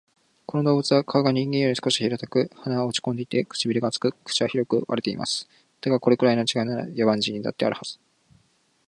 この動物は顔が人間より少し平たく、鼻は落ち込んでいて、唇が厚く、口は広く割れています。だが、これくらいの違いなら、野蛮人にだってあるはず